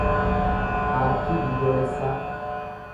paarkii biyyoolessaa